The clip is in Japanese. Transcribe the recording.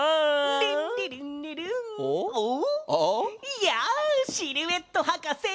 いやシルエットはかせ！